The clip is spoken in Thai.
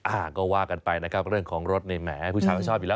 อ่าก็ว่ากันไปนะครับเรื่องของรถนี่แหมผู้ชายไม่ชอบอยู่แล้ว